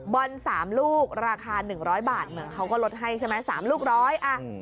บอล๓ลูกราคา๑๐๐บาทเหมือนเขาก็ลดให้ใช่ไหม๓ลูกร้อยอ่ะ